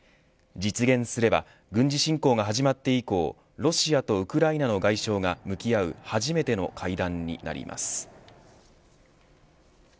実現すれば軍事侵攻が始まって以降ロシアとウクライナの外相が向き合う初めての会談になります。